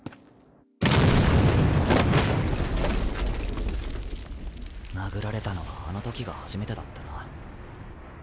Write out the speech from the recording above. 衝撃音殴られたのはあの時が初めてだったな。